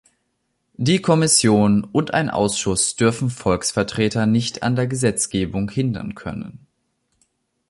Die Kommission und ein Ausschuss dürfen Volksvertreter nicht an der Gesetzgebung hindern können.